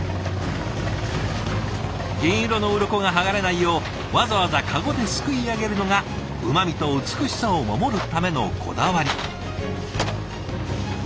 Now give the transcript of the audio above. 銀色のうろこが剥がれないようわざわざ籠ですくい上げるのがうまみと美しさを守るためのこだわり。